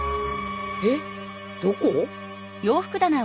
えっどこ？